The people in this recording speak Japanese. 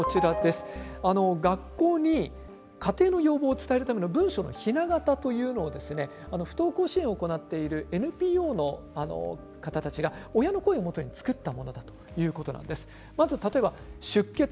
学校に家庭の要望を伝えるためのひな型というのを不登校支援を行っているＮＰＯの方たちが親の声をもとに作りました。